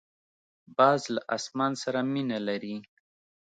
باز له اسمان سره مینه لري